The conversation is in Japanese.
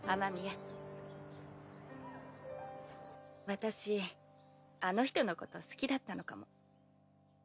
私あの人のこと好きだったのかも。